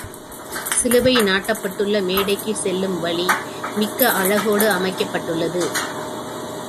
சிலுவை நாட்டப்பட்டுள்ள மேடைக்குச் செல்லும் வழி, மிக்க அழகோடு அமைக்கப்பட்டுள்ளது.